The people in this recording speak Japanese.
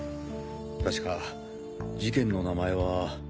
確か事件の名前は。